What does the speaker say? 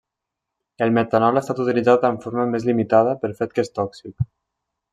El metanol ha estat utilitzat en forma més limitada pel fet que és tòxic.